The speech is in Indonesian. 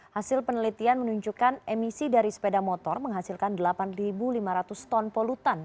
hasil penelitian menunjukkan emisi dari sepeda motor menghasilkan delapan lima ratus ton polutan